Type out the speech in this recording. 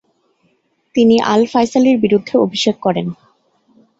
তিনি আল-ফায়সালির বিরুদ্ধে অভিষেক করেন।